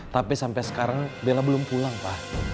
tapi sampai sekarang bella belum pulang pak